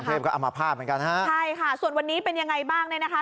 เทพก็อัมพาตเหมือนกันฮะใช่ค่ะส่วนวันนี้เป็นยังไงบ้างเนี่ยนะคะ